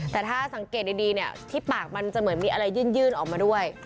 แต่ถ้าสังเกตดีเนี่ยที่ปากมันจะเหมือนมีอะไรยื่นออกมาด้วย